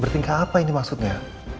bertingkah apa ini maksudnya